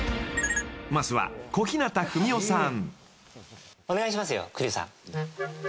［まずは小日向文世さん］